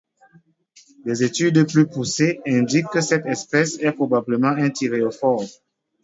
Des études plus poussées indiquent que cette espèce est probablement un thyréophore.